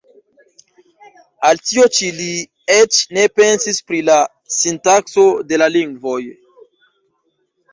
Al tio ĉi li eĉ ne pensis pri la sintakso de la lingvoj.